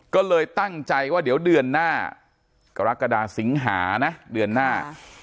ก็เลยตั้งใจว่าเดี๋ยวเดือนหน้ากรกฎาสิงหานะเดือนหน้า